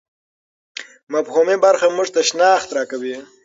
مفهومي برخه موږ ته شناخت راکوي.